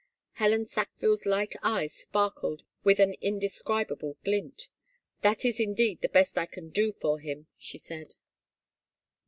Helen Sackville's light eyes sparkled with an inde scribable glint. " That is indeed the best I can do for him," she said.